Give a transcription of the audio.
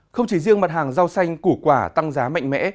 không chỉ riêng mặt hàng rau xanh củ quả tăng giá mạnh mẽ